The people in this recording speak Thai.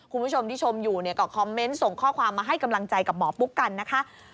คุณผู้ชมที่ชมอยู่เนี่ยก็คอมเมนต์ส่งข้อความมาให้กำลังใจกับหมอปุ๊กกันนะคะ